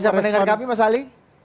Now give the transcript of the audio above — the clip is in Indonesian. bisa mendengar kami mas ali